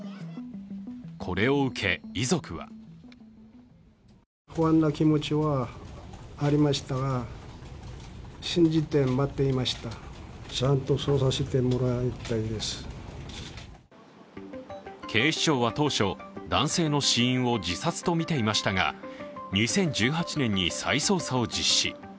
これを受け、遺族は警視庁は当初、男性の死因を自殺とみていましたが２０１８年に再捜査を実施。